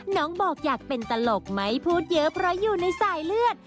น้องบอกอยากเป็นตลกไม่พูดเยอะเพราะอยู่ในสายเลือด